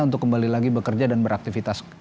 untuk kembali lagi bekerja dan beraktivitas